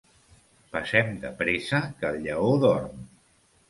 Passem de pressa, que el lleó dorm.